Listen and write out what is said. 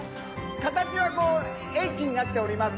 形はこう、Ｈになっております。